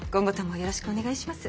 よろしくお願いします。